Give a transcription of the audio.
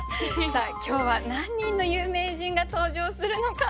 今日は何人の有名人が登場するのか。